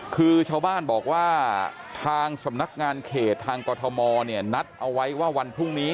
คือชาวบ้านบอกว่าทางสำนักงานเขตทางกรทมเนี่ยนัดเอาไว้ว่าวันพรุ่งนี้